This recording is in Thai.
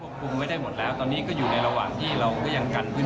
ควบคุมไม่ได้หมดแล้วตอนนี้ก็อยู่ในระหว่างที่